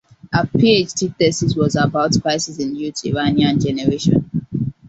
Her PhD thesis was about crisis in youth Iranian generation.